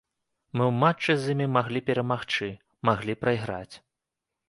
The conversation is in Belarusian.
Мы ў матчы з імі маглі перамагчы, маглі прайграць.